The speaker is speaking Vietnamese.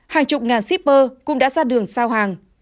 hàng chục ngàn shipper cũng đã ra đường giao hàng